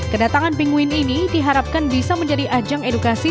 kedatangan pinguin ini diharapkan bisa menjadi ajang edukasi